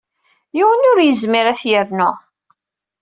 Yiwen ur yezmir ad t-yernu.